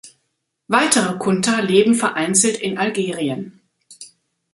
Weitere Kunta leben vereinzelt in Algerien.